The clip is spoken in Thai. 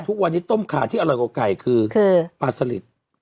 อ่าห้องที่ต้มขาที่อร่อยกว่าไก่ก็คือปลาสลิด